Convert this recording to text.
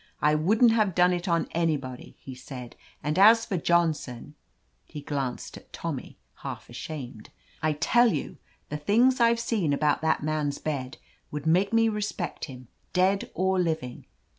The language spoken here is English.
"I wouldn't have done it on anybody," he said; "and as for Johnson —" he glanced at Tommy, half ashamed — "I tell you, the things I've seen about that man's bed would make me respect him, dead or living.